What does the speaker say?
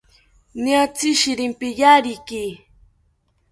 Niatzi shiripiyariki